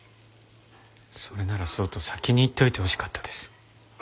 それならそうと先に言っておいてほしかったです。